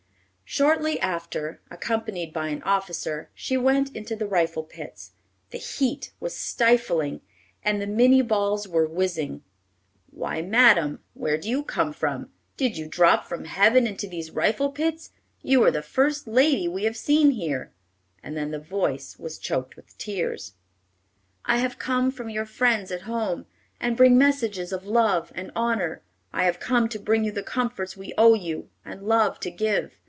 '" Shortly after, accompanied by an officer, she went into the rifle pits. The heat was stifling, and the minie balls were whizzing. "Why, madam, where did you come from? Did you drop from heaven into these rifle pits? You are the first lady we have seen here;" and then the voice was choked with tears. "I have come from your friends at home, and bring messages of love and honor. I have come to bring you the comforts we owe you, and love to give.